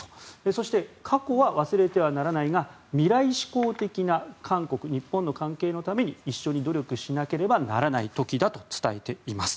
そして過去は忘れてはならないが未来志向的な韓国、日本の関係のために一緒に努力しなければならない時だと伝えています。